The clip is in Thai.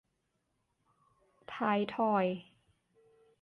ท้ายทอย